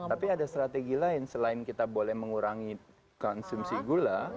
tapi ada strategi lain selain kita boleh mengurangi konsumsi gula